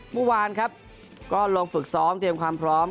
เมื่อวานครับก็ลงฝึกซ้อมเตรียมความพร้อม